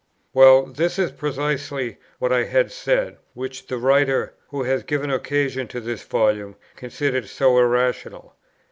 Well, this is precisely what I had said, which the writer, who has given occasion to this Volume, considered so irrational.